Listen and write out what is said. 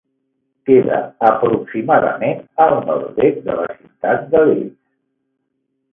Queda aproximadament al nord-est de la ciutat de Leeds.